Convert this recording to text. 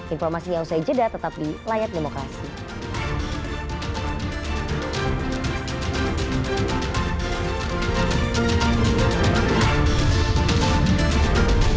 informasi yang usai jeda tetap di layarkan